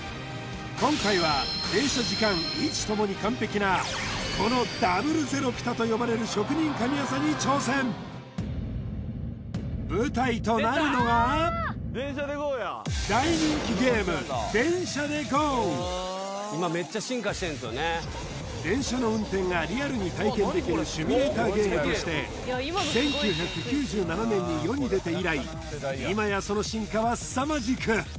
今回は停車時間位置ともに完璧なこのダブルゼロピタと呼ばれる職人神業に挑戦舞台となるのが大人気ゲーム電車の運転がリアルに体験できるシミュレーターゲームとして１９９７年に世に出て以来今やその進化はすさまじく